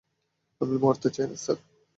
আমি মরতে চাই না, স্যার।